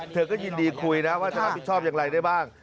เธอก็ยินดีคุยนะว่าจะรับผิดชอบอย่างไรได้บ้าง